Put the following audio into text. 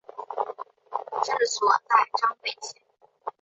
治所在张北县。